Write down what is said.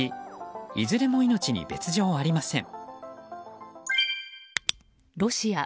いずれも命に別条はありません。